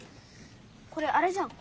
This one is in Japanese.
これあれじゃん。